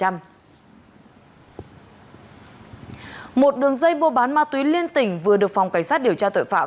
một đường dây mua bán ma túy liên tỉnh vừa được phòng cảnh sát điều tra tội phạm